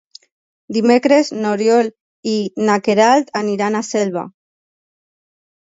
Dimecres n'Oriol i na Queralt aniran a Selva.